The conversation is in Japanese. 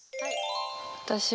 私は。